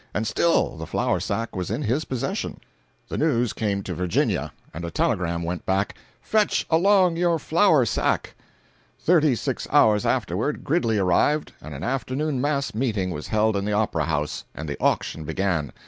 And still the flour sack was in his possession. 317.jpg (157K) The news came to Virginia, and a telegram went back: "Fetch along your flour sack!" Thirty six hours afterward Gridley arrived, and an afternoon mass meeting was held in the Opera House, and the auction began.